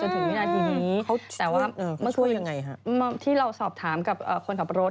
จนถึงวินาทีนี้แต่ว่าเมื่อกี้ที่เราสอบถามกับคนกับรถ